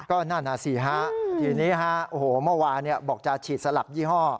ก็นั่นน่ะสิฮะทีนี้ฮะโอ้โหเมื่อวานบอกจะฉีดสลับยี่ห้อ